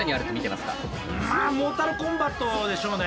まあモータルコンバットでしょうね。